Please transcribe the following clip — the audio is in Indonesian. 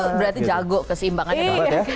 itu berarti jago keseimbangannya